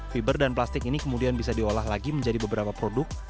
fiber dan plastik ini kemudian bisa diolah lagi menjadi beberapa produk